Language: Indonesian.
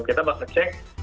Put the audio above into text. kita bakal cek